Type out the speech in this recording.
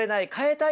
たい